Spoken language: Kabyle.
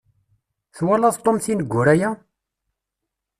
Twalaḍ Tom tineggura-ya?